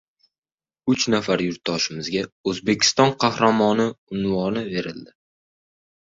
Uch nafar yurtdoshimizga «O‘zbekiston Qahramoni» unvoni berildi